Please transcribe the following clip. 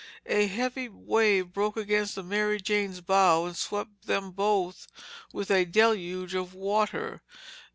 A heavy wave broke against the Mary Jane's bow and swept them both with a deluge of water.